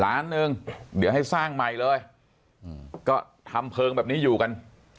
ล้านหนึ่งเดี๋ยวให้สร้างใหม่เลยก็ทำเพลิงแบบนี้อยู่กัน